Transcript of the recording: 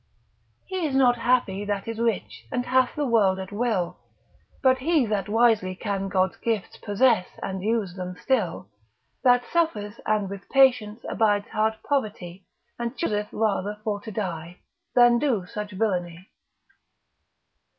He is not happy that is rich, And hath the world at will, But he that wisely can God's gifts Possess and use them still: That suffers and with patience Abides hard poverty, And chooseth rather for to die; Than do such villainy.